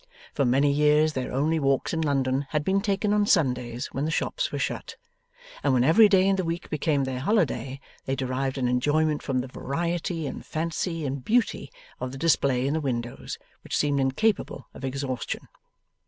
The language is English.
For many years their only walks in London had been taken on Sundays when the shops were shut; and when every day in the week became their holiday, they derived an enjoyment from the variety and fancy and beauty of the display in the windows, which seemed incapable of exhaustion.